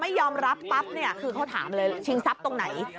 แต่พอยอมรับปั๊บคือเขาถามเลยชิงทรัพย์ตรงไหน